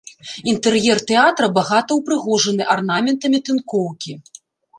Інтэр'ер тэатра багата ўпрыгожаны арнаментамі тынкоўкі.